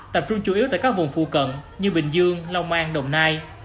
tập trung chủ yếu tại các vùng phù cận như bình dương long an đồng nai